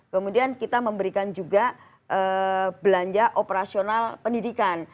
kemudian kita memberikan juga belanja operasional pendidikan